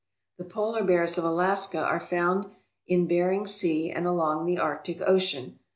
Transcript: The polar bears of Alaska are found in Bering Sea and along the Arctic Ocean.